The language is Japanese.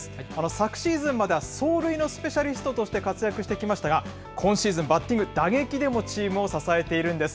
昨シーズンまでは、走塁のスペシャリストとして、活躍してきましたが、今シーズン、バッティング、打撃でもチームを支えているんです。